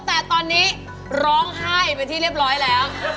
แต่ตอนนี้ร้องไห้เป็นที่เรียบร้อยแล้ว